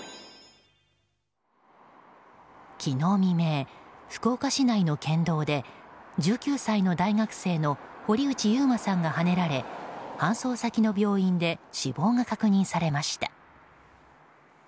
昨日未明、福岡市内の県道で１９歳の大学生の堀内悠馬さんがはねられ搬送先の病院で死亡が確認されました。